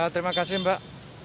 terima kasih mbak